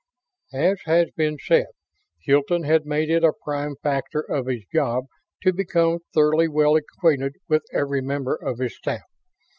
As has been said, Hilton had made it a prime factor of his job to become thoroughly well acquainted with every member of his staff.